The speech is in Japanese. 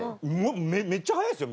めっちゃ早いですよ